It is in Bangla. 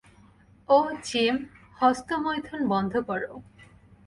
ওহ, জিম, হস্তমৈথুন বন্ধ করো।